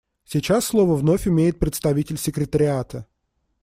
Сейчас слово вновь имеет представитель Секретариата.